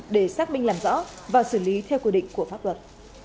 để xác minh làm rõ và xử lý theo quy định của pháp luật